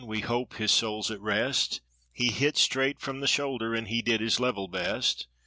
We hope his soul's "At Rest!" He hit straight from the shoulder and he did his level best.